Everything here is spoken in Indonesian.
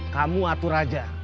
kamu atur aja